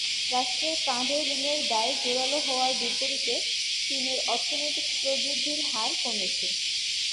রাষ্ট্রের কাঁধে ঋণের দায় জোরালো হওয়ার বিপরীতে চীনের অর্থনৈতিক প্রবৃদ্ধির হার কমেছে।